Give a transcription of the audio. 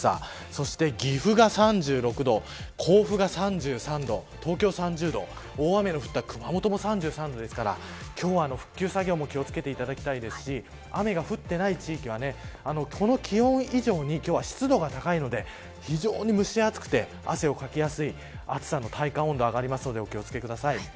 そして岐阜が３６度甲府が３３度東京３０度大雨の降った熊本も３３度ですから今日は復旧作業も気を付けていただきたいですし雨が降っていない地域はこの気温以上に今日は湿度が高いので、非常に蒸し暑くて汗をかきやすい暑さの体感温度が上がるのでお気を付けください。